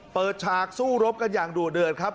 เปิดฉากสู้รบกันอย่างด่วนเดือดครับ